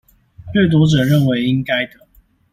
掠奪者認為應該的